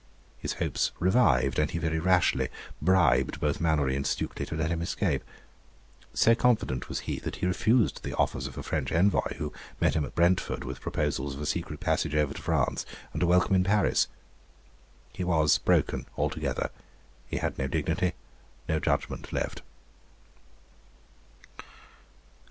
His hopes revived, and he very rashly bribed both Mannourie and Stukely to let him escape. So confident was he, that he refused the offers of a French envoy, who met him at Brentford with proposals of a secret passage over to France, and a welcome in Paris. He was broken altogether; he had no dignity, no judgment left.